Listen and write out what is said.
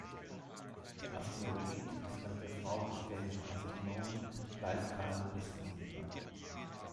Der Asteroid ist nach der Frau des dänischen Astronomen Leif Kahl Kristensen benannt.